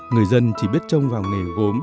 người dân chỉ biết trông vào nghề gốm